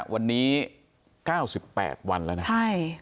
วันนี้๙๘วันแล้วนะ